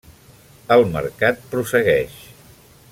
El mercat prossegueix.